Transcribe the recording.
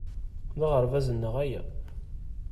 D aɣerbaz-nneɣ aya.